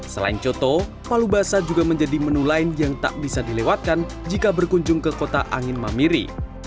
selain coto palu basah juga menjadi menu lain yang tak bisa dilewatkan jika berkunjung ke kota angin mamiri